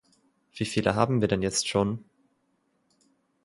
Wie viele haben wir denn jetzt schon?